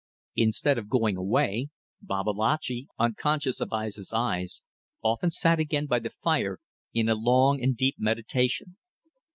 Instead of going away, Babalatchi, unconscious of Aissa's eyes, often sat again by the fire, in a long and deep meditation.